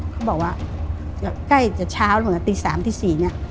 เขาบอกว่าใกล้จากเช้าเหมือนกับตี๓๔เนี่ย